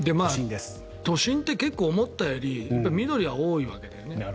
都心って結構、思ったより緑は多いわけだよね。